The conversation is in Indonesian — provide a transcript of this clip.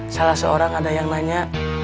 salah seorang ada yang nanya